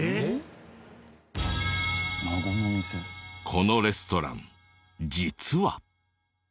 このレストラン実は。